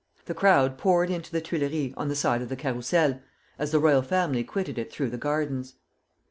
The crowd poured into the Tuileries on the side of the Carrousel as the royal family quitted it through the gardens.